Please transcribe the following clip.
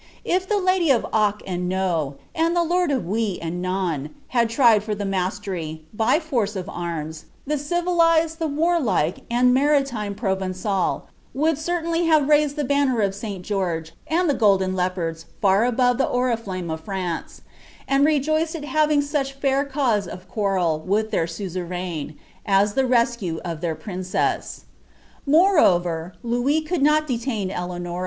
If the ladr of Oc and JVo, and the lord of Oui and Abn, had tried for the mastery, by force of arms, the civilized, the vtt like, and maritime Provencal would certainly have raisod the luuiner of St. George and the golden leopards far above the oriflantme of Fran«, and rejoiced ai having such feir cause of quarrel with their suzeraio,!! the rescue of their princ«Bs. RIoreover, Louis could not detain ElesDon.